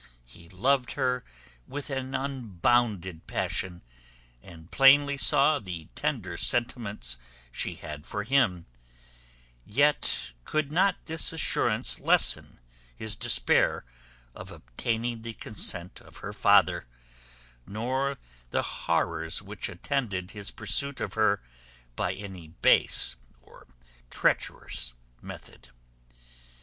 He loved her with an unbounded passion, and plainly saw the tender sentiments she had for him; yet could not this assurance lessen his despair of obtaining the consent of her father, nor the horrors which attended his pursuit of her by any base or treacherous method.